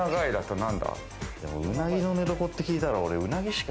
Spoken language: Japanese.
でも、うなぎの寝床って聞いたら、うなぎしか。